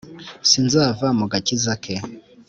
Sinzava mu gakiza ke !